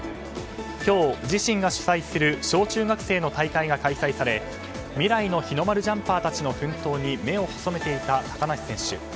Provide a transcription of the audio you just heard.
今日、自身が主催する小中学生の大会が開催され未来の日の丸ジャンパーたちの奮闘に目を細めていた高梨選手。